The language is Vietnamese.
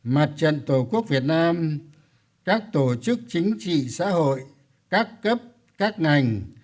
mặt trận tổ quốc việt nam các tổ chức chính trị xã hội các cấp các ngành